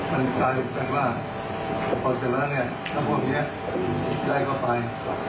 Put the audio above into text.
มันใช้แบบว่าพอเจอแล้วเนี่ยถ้าพวกเนี้ยได้เข้าไป